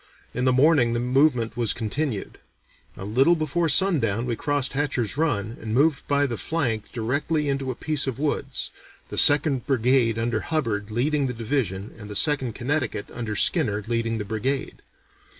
In the morning the movement was continued. A little before sundown we crossed Hatcher's Run and moved by the flank directly into a piece of woods, the Second Brigade under Hubbard leading the division and the Second Connecticut under Skinner leading the brigade.